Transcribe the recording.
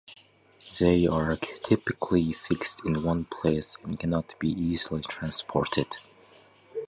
They are typically fixed in one place and cannot be easily transported.